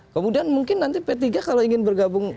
kemudian mungkin nanti p tiga kalau ingin bergabung